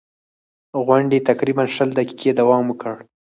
غونډې تقریباً شل دقیقې دوام وکړ.